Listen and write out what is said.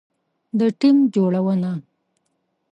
د ټیم جوړونه